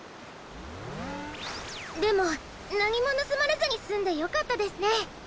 でもなにもぬすまれずにすんでよかったですね。